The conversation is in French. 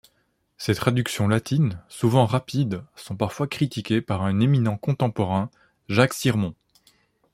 Ses traductions latines, souvent rapides, sont parfois critiquées par un éminent contemporain, Jacques Sirmond.